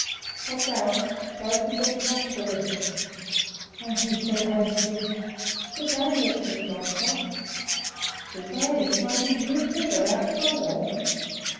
At that both of them flushed a little, and he said hastily, "Good day, Lisbeth Longfrock." "Good day. Why, is it you, Peter, out for a walk?"